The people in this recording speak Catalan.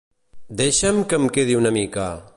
Deixa'm que em quedi una mica!